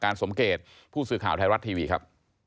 สมเกตผู้สื่อข่าวไทยรัฐทีวีครับ